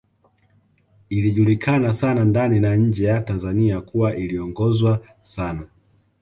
Ilijulikana sana ndani na nje ya Tanzania kuwa iliongozwa sana